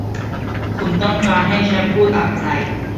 คุณต้องการให้ฉันพูดอะไร ?